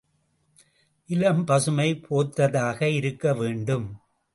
நிலம் பசுமை போர்த்ததாக இருக்க வேண்டும்.